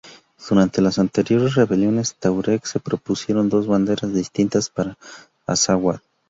Durante las anteriores rebeliones tuareg se propusieron dos banderas distintas para Azawad.